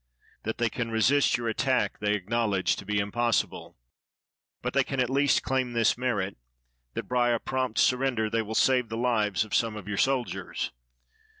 That they can resist your attack they acknowledge to be impossible; but they can at least claim this merit, that by a prompt surrender they will save the Uves of some of your soldiers.